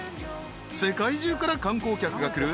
［世界中から観光客が来る